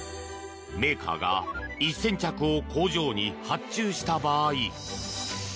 メーカーが１０００着を工場に発注した場合